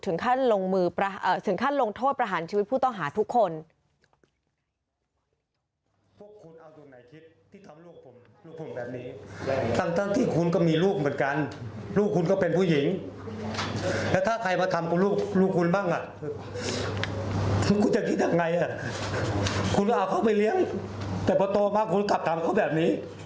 ลงมือถึงขั้นลงโทษประหารชีวิตผู้ต้องหาทุกคน